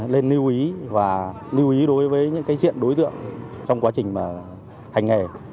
nên lưu ý và lưu ý đối với những cái diện đối tượng trong quá trình hành nghề